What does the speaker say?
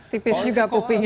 tipis juga kupingnya